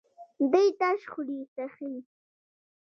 دی تش خوري څښي.